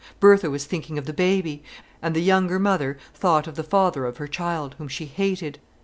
Bertha was thinking of the baby; and the younger mother thought of the father of her child, whom she hated.